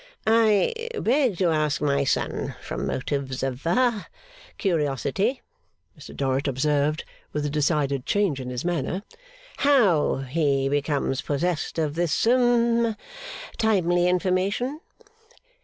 'I beg to ask my son, from motives of ah curiosity,' Mr Dorrit observed, with a decided change in his manner, 'how he becomes possessed of this hum timely information?